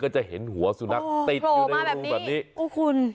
ก็จะเห็นหัวสุนัขติดอยู่ในรูแบบนี้โปรมาแบบนี้โอ้คุณ